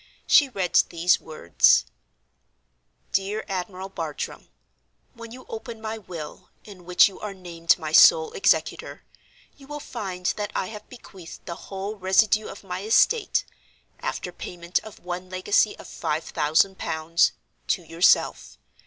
She read these words: "DEAR ADMIRAL BARTRAM—When you open my Will (in which you are named my sole executor), you will find that I have bequeathed the whole residue of my estate—after payment of one legacy of five thousand pounds—to yourself.